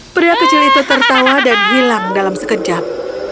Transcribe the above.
pria kecil itu tertawa dan hilang dalam sekejap